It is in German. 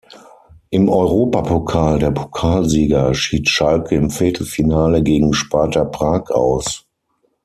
Im Europapokal der Pokalsieger schied Schalke im Viertelfinale gegen Sparta Prag aus.